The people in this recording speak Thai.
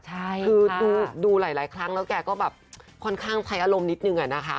คือดูหลายครั้งแล้วแกก็แบบค่อนข้างใช้อารมณ์นิดนึงอะนะคะ